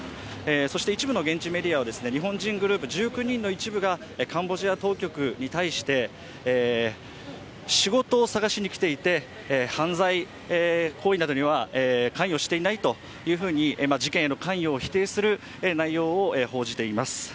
そして一部の現地メディアは日本人グループ１９人の一部が、カンボジア当局に対して、仕事を探しにきていて犯罪行為などには関与していないというふうに、事件への関与を否定する内容を報じています。